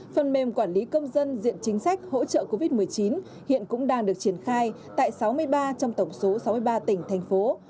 phần mềm quản lý công dân diện chính sách hỗ trợ covid một mươi chín hiện cũng đang được triển khai tại sáu mươi ba trong tổng số sáu mươi ba tỉnh thành phố